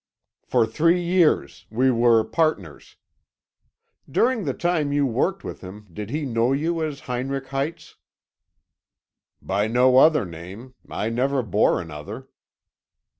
"For three years; we were partners." "During the time you worked with him, did he know you as Heinrich Heitz?" "By no other name. I never bore another."